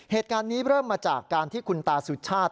เหตุการณ์นี้เริ่มมาจากการที่คุณตาสุชาติ